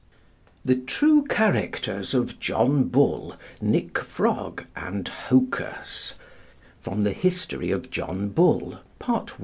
THE TRUE CHARACTERS OF JOHN BULL, NIC. FROG, AND HOCUS From 'The History of John Bull,' Part I.